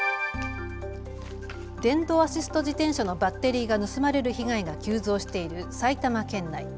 電動アシスト自転車のバッテリーが盗まれる被害が急増している埼玉県内。